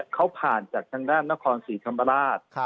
เขาผ่านจากทางด้านนครศรีธรรมราช